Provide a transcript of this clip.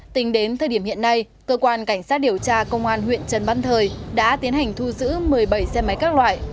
tính đến thời điểm hiện nay cơ quan cảnh sát điều tra công an huyện trần văn thời đã tiến hành thu giữ một mươi bảy xe máy các loại